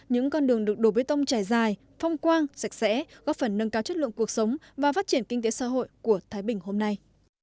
những con đường được đổ bê tông trải dài phong quang sạch sẽ góp phần nâng cao chất lượng cuộc sống và phát triển kinh tế xã hội của thái bình hôm nay